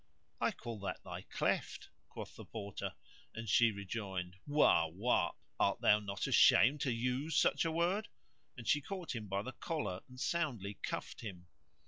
"I call that thy cleft," quoth the Porter, and she rejoined, Wah! wah, art thou not ashamed to use such a word?" and she caught him by the collar and soundly cuffed him.